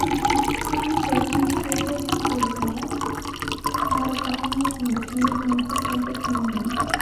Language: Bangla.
তিন্নি তখন কোঁদে ফেলল, তার কান্নার সঙ্গে-সঙ্গে সমস্ত শব্দ থেমে গেল।